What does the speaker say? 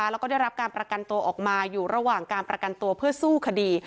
แล้วก็ได้รับการประกันตัวออกมาอยู่ระหว่างการประกันตัวเพื่อสู้คดี